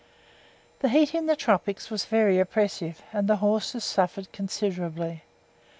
The heat in the tropics was very oppressive, and the horses suffered considerably.